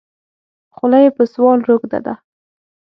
خوله یې په سوال روږده ده.